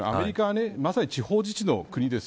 まさに地方自治の国です